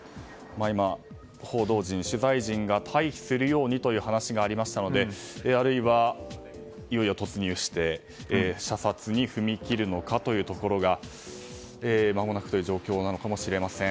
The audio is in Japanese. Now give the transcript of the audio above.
今、報道陣、取材陣が退避するようにという話がありましたのであるいは、いよいよ突入して射殺に踏み切るのかというところがまもなくという状況なのかもしれません。